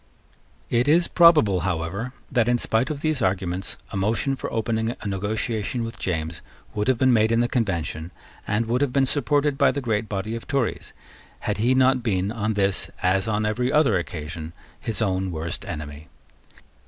It is probable, however, that, in spite of these arguments, a motion for opening a negotiation with James would have been made in the Convention, and would have been supported by the great body of Tories, had he not been, on this, as on every other occasion, his own worst enemy.